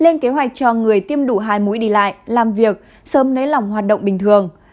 lên kế hoạch cho người tiêm đủ hai mũi đi lại làm việc sớm nới lỏng hoạt động bình thường